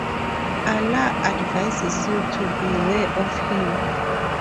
Allah advises you to beware of Him.